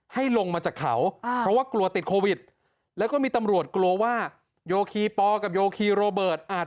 ให้ลงมาจากเขาเพราะว่ากลัวติดโควิด